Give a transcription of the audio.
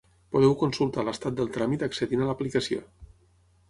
Podeu consultar l'estat del tràmit accedint a l'aplicació.